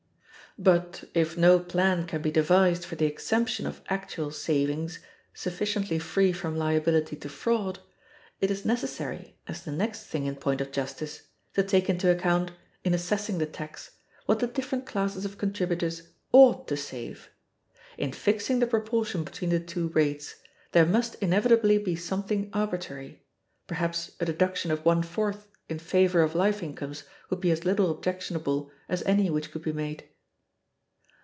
But, if no plan can be devised for the exemption of actual savings, sufficiently free from liability to fraud, it is necessary, as the next thing in point of justice, to take into account, in assessing the tax, what the different classes of contributors ought to save. In fixing the proportion between the two rates, there must inevitably be something arbitrary; perhaps a deduction of one fourth in favor of life incomes would be as little objectionable as any which could be made.